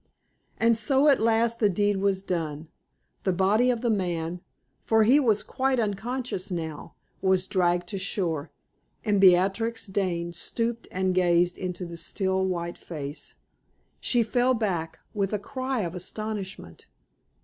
And so at last the deed was done; the body of the man for he was quite unconscious now was dragged to shore, and Beatrix Dane stooped and gazed into the still, white face. She fell back with a cry of astonishment.